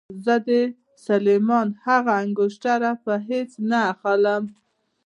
زه د سلیمان هغه انګشتره په هېڅ نه اخلم.